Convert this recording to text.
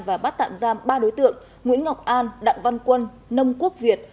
và bắt tạm giam ba đối tượng nguyễn ngọc an đặng văn quân nông quốc việt